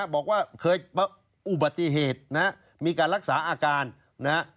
บอกว่าเคยอุบัติเหตุนะฮะมีการรักษาอาการนะฮะ